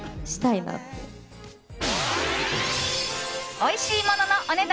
おいしいもののお値段